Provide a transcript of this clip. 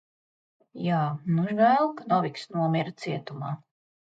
Jā, nu žēl, ka Noviks nomira cietumā.